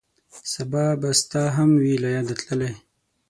سبا به ستا هم وي له یاده تللی